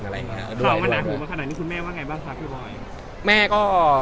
เข้ามาหนังหัวมาขนาดนี้คุณแม่ว่าไงบ้างคะพี่บอย